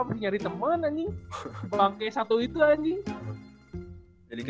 masih nyari temen anjing